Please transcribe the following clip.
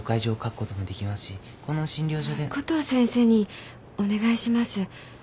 コトー先生にお願いします。